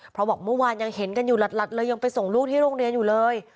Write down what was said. เพราะบอกเมื่อวานยังเห็นกันอยู่หลัดเลยยังไปส่งลูกที่โรงเรียนอยู่เลย